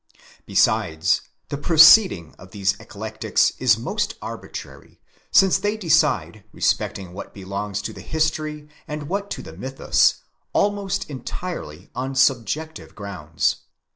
Besides, the proceeding of these Eclectics is most arbitrary, since they decide respecting what belongs to the history and what to the mythus almost entirely upon subjective grounds.